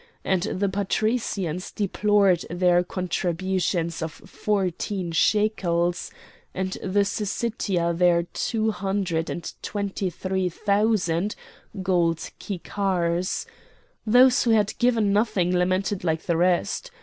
and the patricians deplored their contributions of fourteen shekels, and the Syssitia their two hundred and twenty three thousand gold kikars; those who had given nothing lamented like the rest.